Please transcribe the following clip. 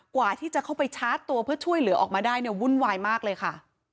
กว่าที่จะเข้าไปชาร์จตัวเพื่อช่วยเหลือออกมาได้เนี่ยวุ่นวายมากเลยค่ะ